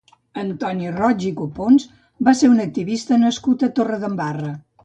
Antoni Roig i Copons va ser un activista nascut a Torredembarra.